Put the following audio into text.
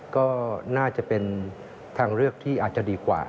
ก็น่าจะเป็นทางเลือกที่อาจจะดีกว่า